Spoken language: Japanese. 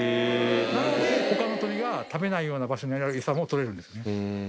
なので、ほかの鳥が食べないような場所にあるような餌も取れるんですね。